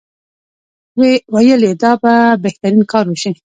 ویل یې دا به بهترین کار وشي.